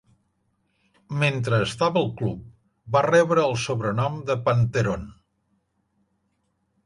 Mentre estava al club, va rebre el sobrenom de "Panteron".